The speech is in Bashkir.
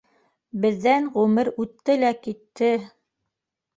Беҙҙән ғүмер үтте лә китте.